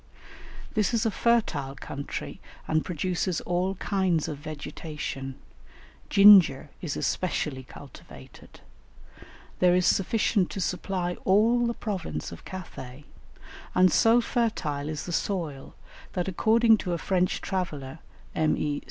This is a fertile country and produces all kinds of vegetation; ginger is especially cultivated; there is sufficient to supply all the province of Cathay, and so fertile is the soil that according to a French traveller, M. E.